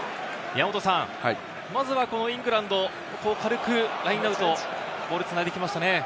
まずはこのイングランド、軽くラインアウト、ボールを繋いできましたね。